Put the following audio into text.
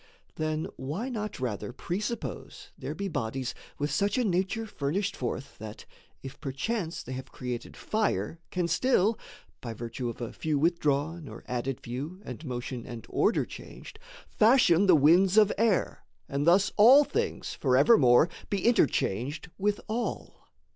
Then why not rather presuppose there be Bodies with such a nature furnished forth That, if perchance they have created fire, Can still (by virtue of a few withdrawn, Or added few, and motion and order changed) Fashion the winds of air, and thus all things Forevermore be interchanged with all?